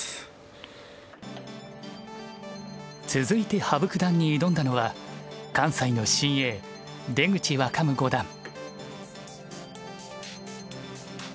続いて羽生九段に挑んだのは関西の新鋭出口若武五段。